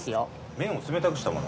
麺を冷たくしたもの。